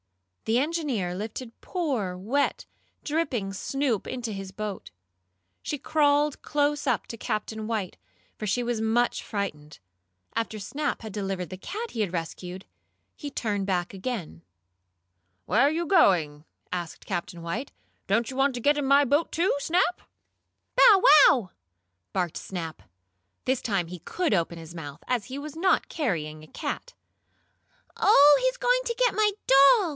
The engineer lifted poor, wet, dripping Snoop into his boat. She crawled close up to Captain White, for she was much frightened. After Snap had delivered the cat he had rescued, he turned back again. "Where are you going?" asked Captain White. "Don't you want to get in my boat, too, Snap?" "Bow wow!" barked Snap. This time he could open his mouth, as he was not carrying a cat. "Oh, he's going to get my doll!"